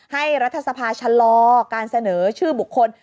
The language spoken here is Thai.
ให้รัฐธรรมนูนชะลอการเสนอชื่อบุคคล